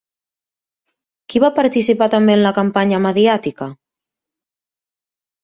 Qui va participar també en la campanya mediàtica?